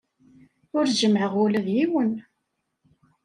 Ur jemmɛeɣ ula d yiwen.